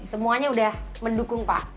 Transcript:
semuanya udah mendukung pak